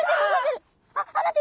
あ待って。